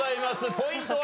ポイントは？